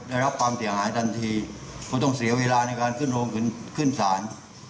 ได้รับความเสียหายทันทีเพราะต้องเสียเวลาในการขึ้นโรงขึ้นศาล